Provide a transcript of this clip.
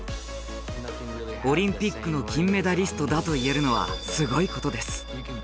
オリンピックの金メダリストだと言えるのはすごいことです。